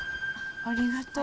ありがとう。